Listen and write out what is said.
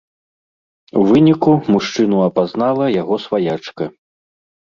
У выніку мужчыну апазнала яго сваячка.